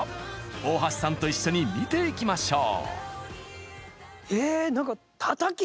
大橋さんと一緒に見ていきましょう！